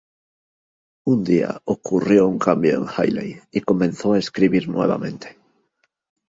Un día ocurrió un cambio en Hayley y comenzó a escribir nuevamente.